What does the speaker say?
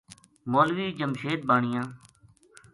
مولوی جمشید بانیا